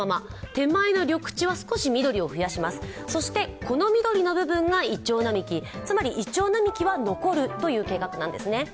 手前の緑地は少し緑を増やします、そしてこの緑の部分がいちょう並木つまり、いちょう並木は残るという予定なんです。